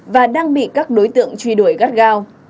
và đang bị các đối tượng truy đuổi gắt gao